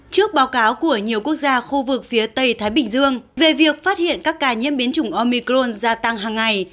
trước báo cáo của nhiều quốc gia khu vực phía tây thái bình dương về việc phát hiện các ca nhiễm biến chủng omicron gia tăng hàng ngày